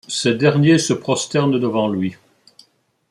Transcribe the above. Ces derniers se prosternent devant lui.